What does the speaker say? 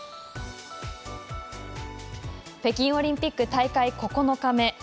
北京オリンピック大会９日目。